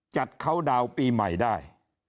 จัดเค้าดาวปีใหม่ได้